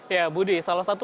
ya budi salah satu